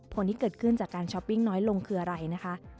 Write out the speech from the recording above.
ผลที่เกิดขึ้นจากการช้อปปิ้งน้อยลงคืออะไรนะคะ